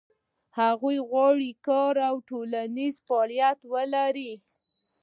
هغه غواړي کار او ټولنیز فعالیت ولري.